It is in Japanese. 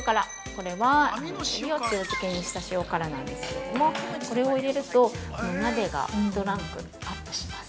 これはエビを塩漬けにした塩辛なんですけれどもこれを入れるとお鍋が一ランク、アップします。